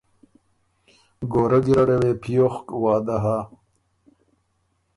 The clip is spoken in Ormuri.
کُورۀ ګیرډه وې پیوخک وعدۀ هۀ،